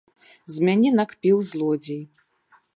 З мяне накпіў, злодзей!